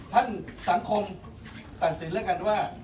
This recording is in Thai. ท่านสังคมตัดสินด้วยกันว่า